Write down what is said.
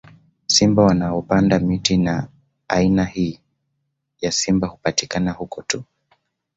Simba wanaopanda miti na aina hii ya simba hupatikana huko tu